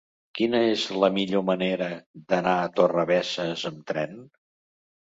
Quina és la millor manera d'anar a Torrebesses amb tren?